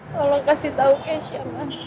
tolong kasih tau kesya